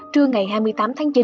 trưa ngày hai mươi tám tháng chín